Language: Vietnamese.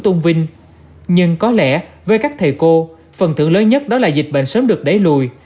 tôn vinh nhưng có lẽ với các thầy cô phần thưởng lớn nhất đó là dịch bệnh sớm được đẩy lùi